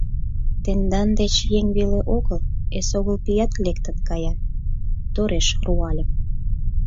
— Тендан деч еҥ веле огыл, эсогыл пият лектын кая, — тореш руальым.